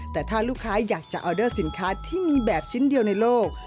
แต่ถ้าลูกค้าอยากจะออเดอร์สินค้าที่มีแบบชิ้นเดียวในโลก